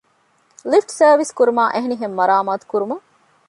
ލިފްޓް ސާރވިސް ކުރުމާއި އެހެނިހެން މަރާމާތު ކުރުމަށް